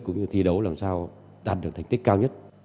cũng như thi đấu làm sao đạt được thành tích cao nhất